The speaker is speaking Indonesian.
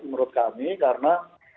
menurut kami karena